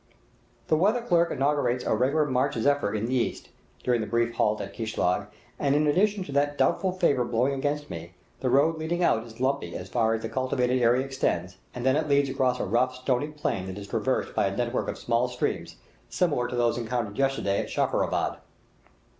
The weather clerk inaugurates a regular March zephyr in the east, during the brief halt at Kishlag; and in addition to that doubtful favor blowing against me, the road leading out is lumpy as far as the cultivated area extends, and then it leads across a rough, stony plain that is traversed by a network of small streams, similar to those encountered yesterday at Sherifabad.